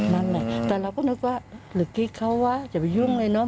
นั่นแหละแต่เราก็นึกว่าหรือกิ๊กเขาวะอย่าไปยุ่งเลยเนาะ